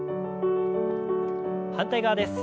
反対側です。